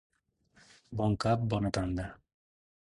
Bon cap, bona tanda.